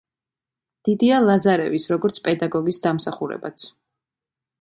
დიდია ლაზარევის, როგორც პედაგოგის დამსახურებაც.